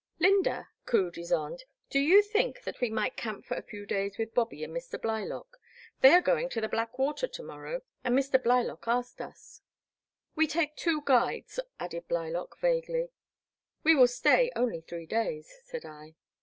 Iyynda," cooed Ysonde, "do you think that we might camp for a few days with Bobby and Mr. Blylock? They are going to the Black Water to morrow and Mr. Blylock asked us.*' We take two guides, '' added Blylock, vaguely. We will only stay three days," said I.